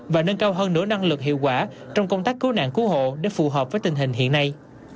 và nâng cao hơn nửa năng lực hiệu quả trong công tác cứu nạn cứu hộ để phù hợp với tình hình hiện nay